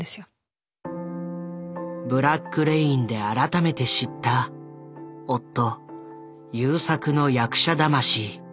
「ブラック・レイン」で改めて知った夫優作の役者魂。